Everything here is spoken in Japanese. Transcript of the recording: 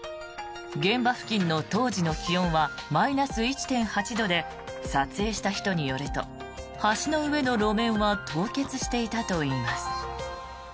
現場付近の当時の気温はマイナス１．８度で撮影した人によると橋の上の路面は凍結していたといいます。